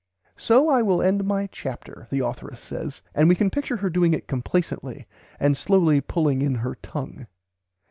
"So I will end my chapter," the authoress says; and we can picture her doing it complacently, and slowly pulling in her tongue.